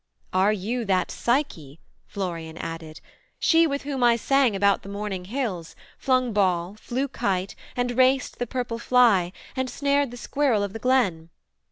'Are you that Psyche,' Florian added; 'she With whom I sang about the morning hills, Flung ball, flew kite, and raced the purple fly, And snared the squirrel of the glen?